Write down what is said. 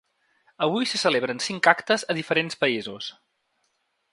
Avui se celebren cinc actes a diferents països.